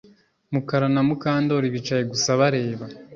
Mukara na Mukandoli bicaye gusa bareba